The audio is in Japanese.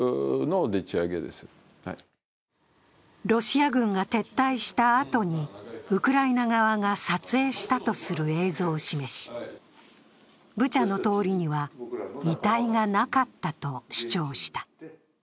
ロシア軍が撤退したあとにウクライナ側が撮影したとする映像を示しブチャの通りには遺体がなかったと主張した。